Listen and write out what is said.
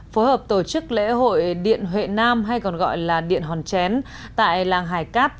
phối hợp tổ chức lễ hội điện huệ nam hay còn gọi là điện hòn chén tại làng hải cát